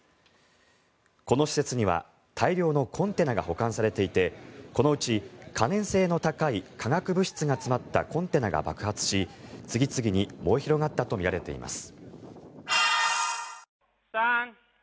この施設には大量のコンテナが保管されていてこのうち可燃性の高い化学物質が詰まったコンテナが爆発し次々に燃え広がったとみられています。